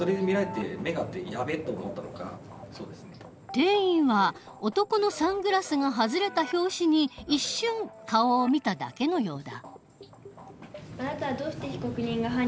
店員は男のサングラスが外れた拍子に一瞬顔を見ただけのようだ。